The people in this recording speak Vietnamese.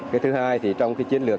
cái thứ hai thì trong cái chiến lược